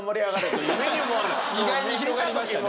意外に広がりましたね。